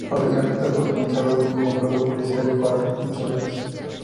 El pabellón está patrocinado y nombrado por State Farm Insurance.